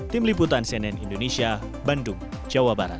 tim liputan cnn indonesia bandung jawa barat